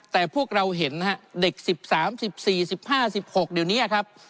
แต่พวกเราเห็นเด็กสิบสามสิบสี่สิบห้าสิบหกเดี๋ยวนี้นะครับ